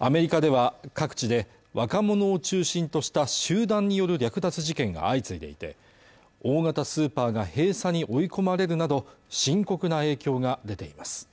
アメリカでは各地で若者を中心とした集団による略奪事件が相次いでいて大型スーパーが閉鎖に追い込まれるなど深刻な影響が出ています